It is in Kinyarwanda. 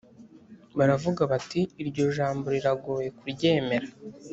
baravuga bati iryo jambo riragoye kuryemera